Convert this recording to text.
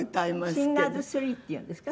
シンガーズ・スリーっていうんですか？